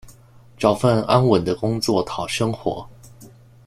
找份安稳的工作讨生活